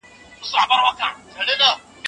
مخ ته مې مه ګوره کافر شوې